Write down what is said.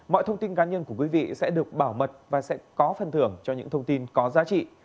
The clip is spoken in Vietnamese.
mọi thông tin cá nhân của quý vị sẽ được bảo mật và sẽ có phần thưởng cho những thông tin có giá trị